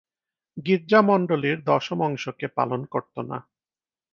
গির্জা মণ্ডলীর দশম অংশকে পালন করত না।